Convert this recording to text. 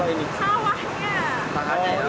terus ini yang terbakar apa kalau ini